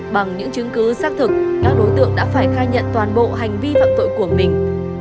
bằng những chứng cứ xác thực các đối tượng đã phải khai nhận toàn bộ hành vi phạm tội của mình